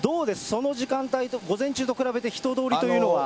その時間帯、午前中と比べて、人通りというのは。